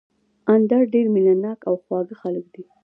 اندړ ډېر مېنه ناک او خواږه خلک دي